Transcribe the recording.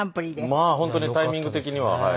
まあ本当にタイミング的には。